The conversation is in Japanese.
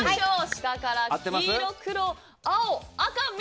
下から、黄色、黒、青、赤、緑。